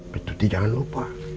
jadi jangan lupa